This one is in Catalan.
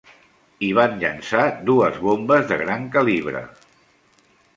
Hi van llençar dues bombes de gran calibre.